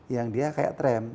yang dia kayak tram